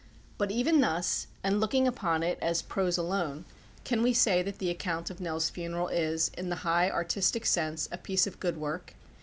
But even thus, and looking upon it as prose alone, can we say that the account of Nell's funeral is, in the high artistic sense, a piece of good work.